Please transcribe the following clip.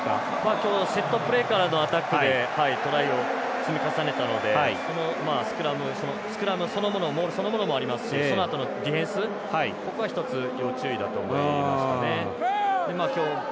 今日セットプレーからのアタックでトライを積み重ねたのでこのスクラムそのものもありますしそのあとのディフェンスここが要注意だと思いました。